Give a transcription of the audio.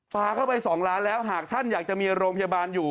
ปลาเข้าไป๒ล้านแล้วหากท่านอยากจะมีโรงพยาบาลอยู่